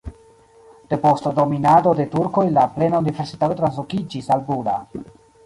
Depost dominado de turkoj la plena universitato translokiĝis al Buda.